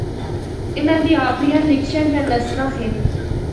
اِناں دی اپنڑیاں لکھیاں دیاں نثراں ہن۔